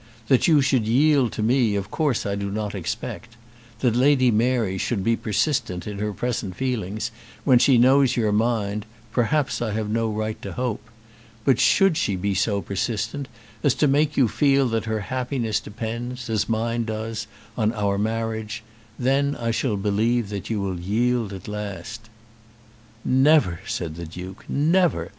That you should yield to me, of course I do not expect; that Lady Mary should be persistent in her present feelings, when she knows your mind, perhaps I have no right to hope; but should she be so persistent as to make you feel that her happiness depends, as mine does, on our marriage, then I shall believe that you will yield at last." "Never!" said the Duke. "Never!